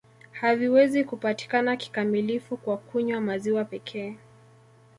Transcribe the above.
Haviwezi kupatikana kikamilifu kwa kunywa maziwa pekee